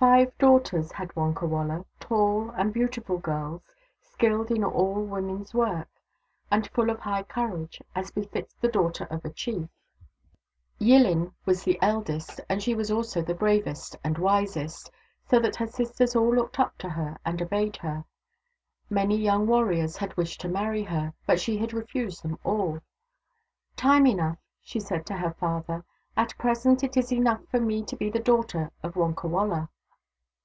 Five daughters had Wonkawala, tall and beau tiful girls, skilled in all women's work, and full of high courage, as befits the daughters of a chief. 160 THE DAUGHTERS OF WONKAWALA i5i Yillin was the eldest, and she was also the bravest and wisest, so that her sisters all looked up to her and obeyed her. Many young warriors had wished to marry her, but she had refused them all. " Time enough," she said to her father. " At present it is enough for me to be the daughter of Wonkawala."